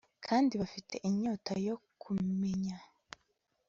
kandi bafite inyota yo kumenya